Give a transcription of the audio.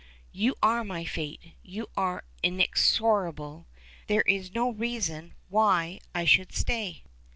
"You are my fate! You are inexorable! There is no reason why I should stay."